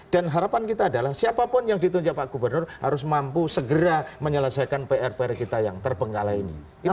dan harapan kita adalah siapapun yang ditunjuk pak gubernur harus mampu segera menyelesaikan pr pr kita yang terpenggalai ini